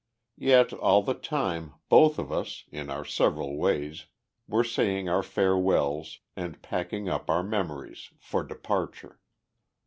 Yet, all the time, both of us, in our several ways, were saying our farewells, and packing up our memories for departure.